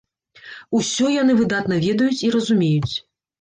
Усё яны выдатна ведаюць і разумеюць.